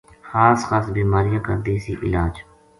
خاص خاص بیماریاں کا دیسی علاج